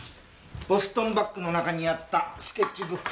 ボストンバッグの中にあったスケッチブック。